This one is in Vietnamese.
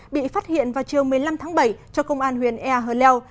bị phát hiện vào chiều một mươi năm tháng bảy cho công an huyện ea hờ leo